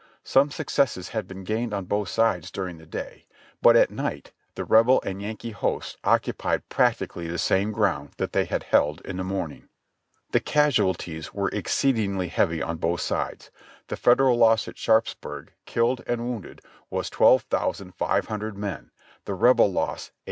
Some successes had been gained on both sides during the day, but at night the Rebel and Yankee hosts occupied practically the same ground that they had held in the morning. The casualties were exceedingly heavy on both sides ; the Fed eral loss at Sharpsburg, killed and wounded, was twelve thousand f.ve hundred men, the Rebel loss eight thousand.